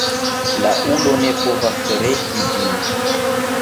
La ulo ne povas regi ĝin.